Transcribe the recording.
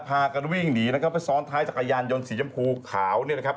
พากันวิ่งหนีนะครับไปซ้อนท้ายจักรยานยนต์สีชมพูขาวเนี่ยนะครับ